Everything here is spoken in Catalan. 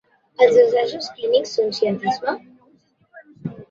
Els assajos clínics són cientisme?